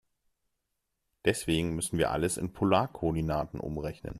Deswegen müssen wir alles in Polarkoordinaten umrechnen.